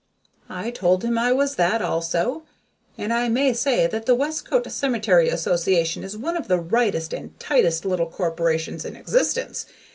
I told him I was that also. And I may say that the Westcote Cemetery Association is one of the rightest and tightest little corporations in existence.